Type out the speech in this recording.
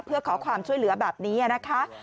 เพื่อขอความช่วยเหลือแบบนี้นะคะ